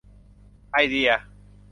ไอเดีย